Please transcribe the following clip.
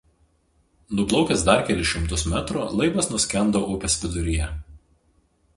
Nuplaukęs dar kelis šimtus metrų laivas nuskendo upės viduryje.